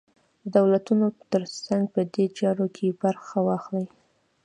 د دولتونو تر څنګ په دې چاره کې برخه واخلي.